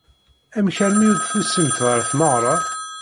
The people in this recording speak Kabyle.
Amek armi ur d-tusimt ɣer tmeɣra?